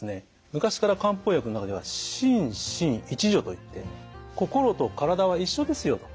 昔から漢方薬の中には「心身一如」といって心と体は一緒ですよと。